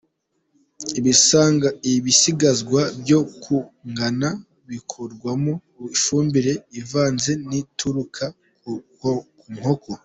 Ibisigazwa byo ku ngano bikorwamo ifumbire ivanze n'ituruka ku nkoko.